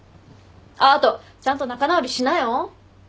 あっあとちゃんと仲直りしなよ。